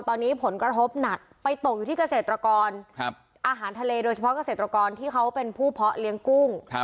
ตอนนี้ผลกระทบหนักไปตกอยู่ที่เกษตรกรอาหารทะเลโดยเฉพาะเกษตรกรที่เขาเป็นผู้เพาะเลี้ยงกุ้ง